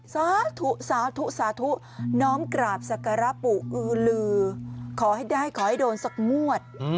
สาธุสาธุสาธุน้อมกราบศักระปู่อือลือขอให้ได้ขอให้โดนสักงวด